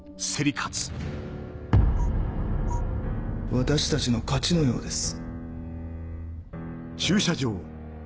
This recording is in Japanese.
私たちの勝ちのようです。